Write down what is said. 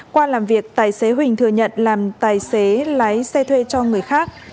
qua làm việc tài xế huỳnh thừa nhận làm tài xế lái xe thuê cho người khác